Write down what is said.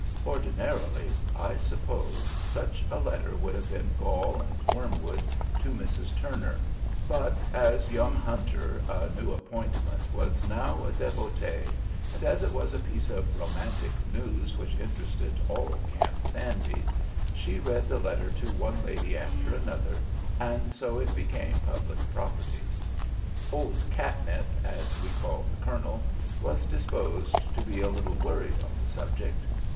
Ordinarily, I suppose, such a letter would have been gall and wormwood to Mrs. Turner, but as young Hunter, a new appointment, was now a devotee, and as it was a piece of romantic news which interested all Camp Sandy, she read the letter to one lady after another, and so it became public property. Old Catnip, as we called the colonel, was disposed to be a little worried on the subject.